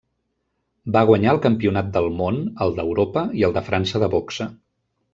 Va guanyar el campionat del món, el d’Europa i el de França de boxa.